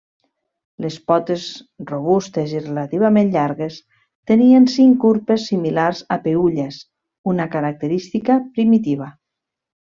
Les potes, robustes i relativament llargues, tenien cinc urpes similars a peülles, una característica primitiva.